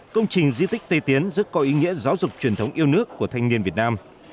công trình di tích tây tiến rất có ý nghĩa giáo dục truyền thống yêu nước của thanh niên việt nam